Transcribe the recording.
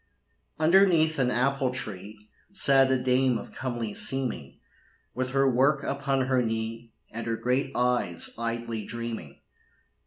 Underneath an apple tree Sat a dame of comely seeming, With her work upon her knee, And her great eyes idly dreaming.